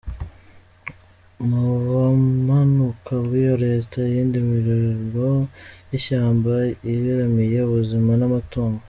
Mu bumanuko bw'iyo leta, iyindi miriro y'ishamba igeramiye ubuzima n'amatungo.